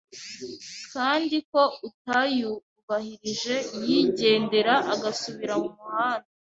kandi ko utayubahirije yigendera agasubira mu muhanda